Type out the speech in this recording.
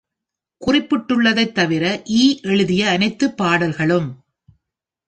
குறிப்பிட்டுள்ளதைத் தவிர, E எழுதிய அனைத்து பாடல்களும்.